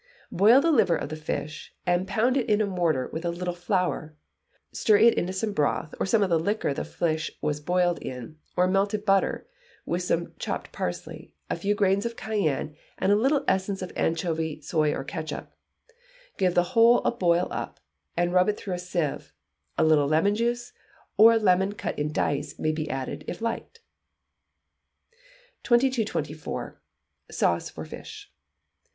Boil the liver of the fish, and pound it in a mortar with a little flour, stir it into some broth, or some of the liquor the fish was boiled in, or melted butter, with some chopped parsley, a few grains of cayenne, and a little essence of anchovy, soy, or ketchup; give the whole a boil up, and rub it through a sieve; a little lemon juice, or lemon cut in dice, may be added, if liked. 2224. Sauce for Fish.